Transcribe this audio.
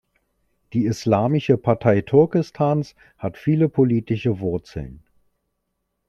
Die Islamische Partei Turkestans hat viele politische Wurzeln.